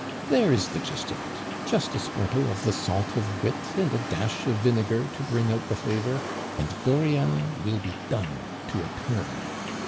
There is the gist of it. Just a sprinkle of the salt of wit and a dash of vinegar to bring out the flavor, and Dauriat will be done to a turn.